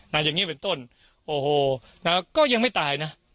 อย่างนี้เป็นต้นโอ้โหนะก็ยังไม่ตายนะ